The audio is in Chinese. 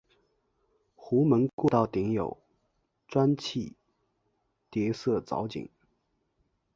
壸门过道顶有砖砌叠涩藻井。